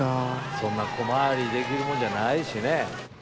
そんな小回りできるもんじゃないしね。